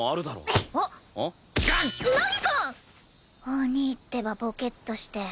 お兄ってばボケっとして。